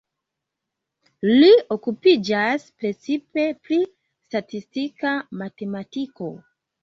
Li okupiĝas precipe pri statistika matematiko.